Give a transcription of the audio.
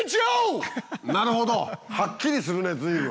なるほど！はっきりするね随分。